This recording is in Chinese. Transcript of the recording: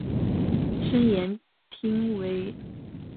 身延町为位于山梨县西南部南巨摩郡的町。